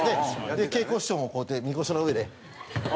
桂子師匠もこうやってみこしの上で。